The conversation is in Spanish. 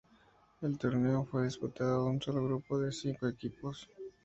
El torneo fue disputado en un solo grupo de cinco equipos.